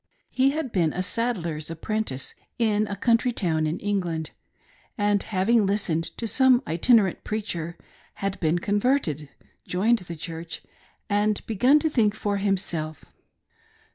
He had been a saddler's apprentice in a country town in England, and hav ing listened to some itinerant preacher, had been converted, joined the Church, and begun to think for himself.